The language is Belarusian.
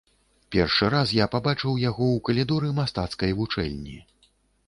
Першы раз я пабачыў яго ў калідоры мастацкай вучэльні.